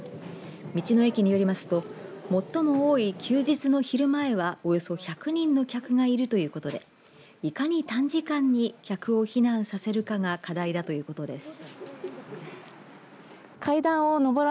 道の駅によりますと最も多い休日の昼前はおよそ１００人の客がいるということでいかに短時間に客を避難させるかが課題だということです。